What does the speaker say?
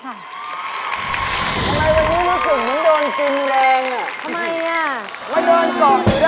ทำไมวันนี้รู้สึกมันโดนกินแรงอ่ะทำไมอ่ะ